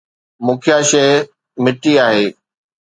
مکيه شيء مٿي آهي.